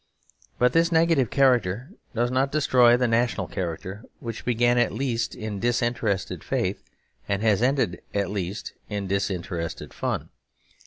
But this negative character does not destroy the national character; which began at least in disinterested faith and has ended at least in disinterested fun.